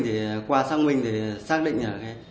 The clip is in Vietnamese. thì qua xác minh thì xác định